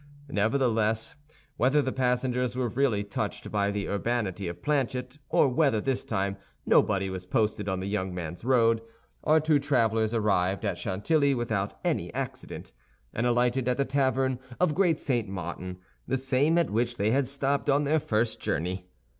Nevertheless, whether the passengers were really touched by the urbanity of Planchet or whether this time nobody was posted on the young man's road, our two travelers arrived at Chantilly without any accident, and alighted at the tavern of Great St. Martin, the same at which they had stopped on their first journey.